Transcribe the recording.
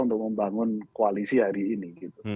untuk membangun koalisi hari ini